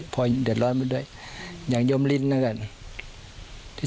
พอยเดือดร้อนไปด้วยอย่างยมรินนางกัน